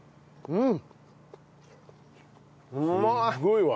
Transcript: うん。